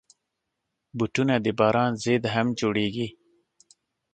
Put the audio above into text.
بوټونه د باران ضد هم جوړېږي.